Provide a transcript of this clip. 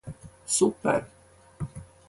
Super!